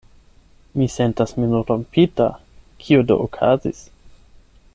Mi sentas min rompita: kio do okazis?